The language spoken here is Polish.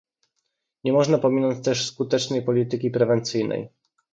Nie można pominąć też skutecznej polityki prewencyjnej